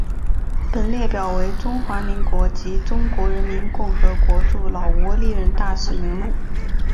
本列表为中华民国及中华人民共和国驻老挝历任大使名录。